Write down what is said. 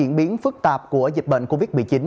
diễn biến phức tạp của dịch bệnh covid một mươi chín